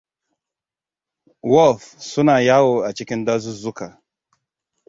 Wolves suna yawo a cikin dazuzzuka.